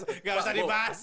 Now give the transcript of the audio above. enggak usah dibahas